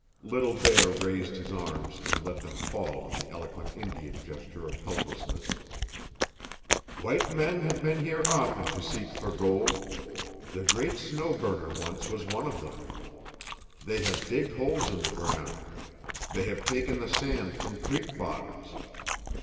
Little Bear raised his arms and let them fall in the eloquent Indian gesture of helplessness. "White men have been here often to seek for gold. The great Snow Burner once was one of them. They have digged holes in the ground. They have taken the sand from creek bottoms.